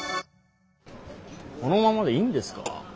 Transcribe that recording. このままでいいんですか？